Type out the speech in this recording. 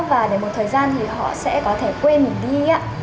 và để một thời gian họ sẽ có thể quên mình đi